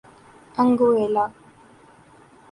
Anguilla